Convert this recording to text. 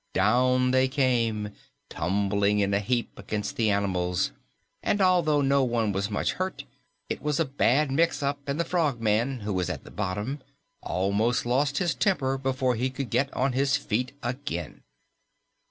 Down they came, tumbling in a heap against the animals, and although no one was much hurt, it was a bad mix up, and the Frogman, who was at the bottom, almost lost his temper before he could get on his feet again.